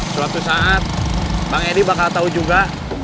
suatu saat bang edi bakal tahu juga